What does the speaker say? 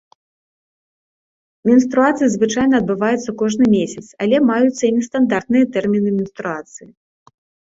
Менструацыя звычайна адбываецца кожны месяц, але маюцца і нестандартныя тэрміны менструацыі.